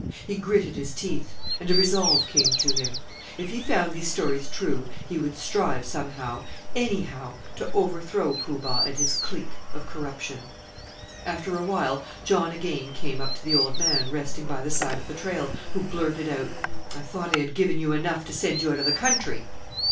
He gritted his teeth and a resolve came to him. If he found these stories true he would strive, somehow, anyhow, to overthrow Poo Bah and his clique of corruption. After a while John again came up to the old man resting by the side of the trail, who blurted out, "I thought I had given you enough to send you out of the country!"